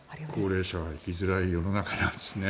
高齢者は生きづらい世の中ですね